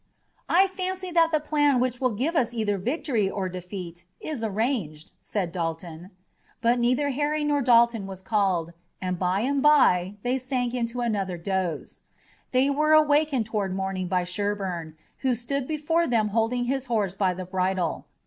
"I fancy that the plan which will give us either victory or defeat is arranged," said Dalton. But neither Harry nor Dalton was called, and bye and bye they sank into another doze. They were awakened toward morning by Sherburne, who stood before them holding his horse by the bridle.